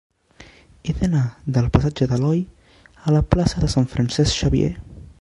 He d'anar del passatge d'Aloi a la plaça de Sant Francesc Xavier.